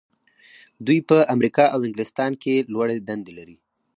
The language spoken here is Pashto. دوی په امریکا او انګلستان کې لوړې دندې لري.